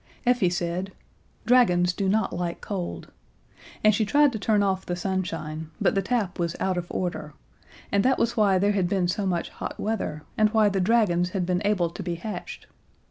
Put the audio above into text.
Effie said, "Dragons do not like cold." And she tried to turn off the sunshine, but the tap was out of order, and that was why there had been so much hot weather, and why the dragons had been able to be hatched.